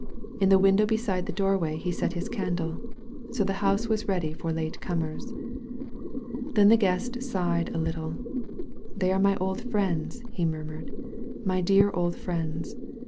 In the window beside the doorway he set his candle. So the house was ready for late comers. Then the Guest sighed a little. *^They are my old friends," he murmured, "my dear old friends!